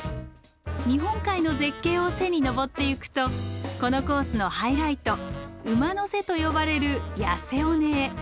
日本海の絶景を背に登ってゆくとこのコースのハイライト「馬の背」と呼ばれる痩せ尾根へ。